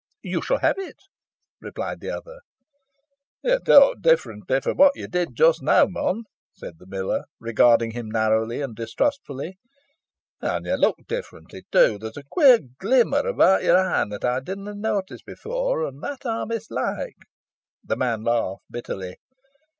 "You shall have it," replied the other. "Yo talk differently fro' what yo did just now, mon," said the miller, regarding him narrowly and distrustfully. "An yo look differently too. There's a queer glimmer abowt your een that ey didna notice efore, and that ey mislike." The man laughed bitterly.